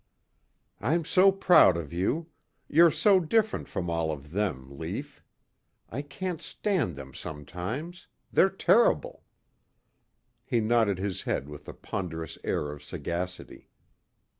"I'm so proud of you. You're so different from all of them, Lief. I can't stand them sometimes. They're terrible." He nodded his head with a ponderous air of sagacity.